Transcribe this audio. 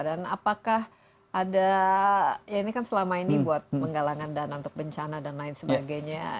dan apakah ada ya ini kan selama ini buat menggalangan dana untuk bencana dan lain sebagainya